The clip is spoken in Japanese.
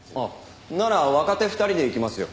なら若手２人で行きますよ。